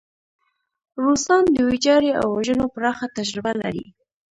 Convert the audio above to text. روسان د ویجاړۍ او وژنو پراخه تجربه لري.